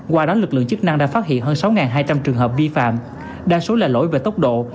qua đó lực lượng chức năng đã phát hiện hơn sáu hai trăm linh trường hợp vi phạm đa số là lỗi về tốc độ